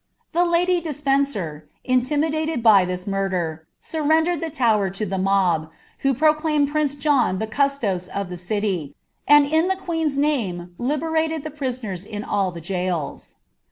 ' The lady Despencer, intimtdated I7 this murder, surrendered the Tower to the mob, who prnolainiMl pROct John the custos of the city ; and in the queen's name libenicd tht fl^ toilers in all the gaols.